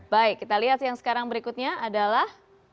baik kita lihat yang sekarang berikutnya adalah